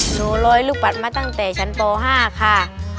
หนูร้อยลูกบัตรมาตั้งแต่ชั้นป๕ค่ะ